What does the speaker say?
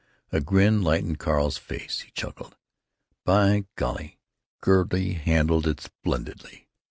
A grin lightened Carl's face. He chuckled: "By golly! Gertie handled it splendidly!